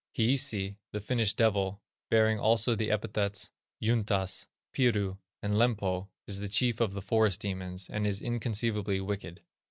Hiisi, the Finnish devil, bearing also the epithets, Juntas, Piru, and Lempo, is the chief of the forest demons, and is inconceivably wicked.